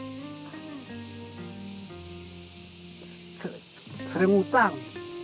lebih sering utang